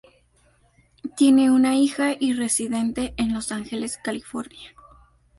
Tiene una hija y reside en Los Ángeles, California.